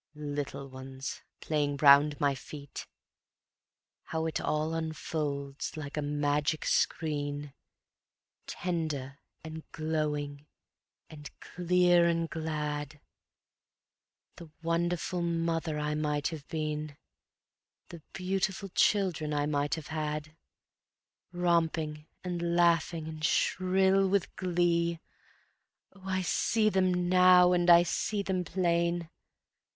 Little ones playing around my feet. How it all unfolds like a magic screen, Tender and glowing and clear and glad, The wonderful mother I might have been, The beautiful children I might have had; Romping and laughing and shrill with glee, Oh, I see them now and I see them plain.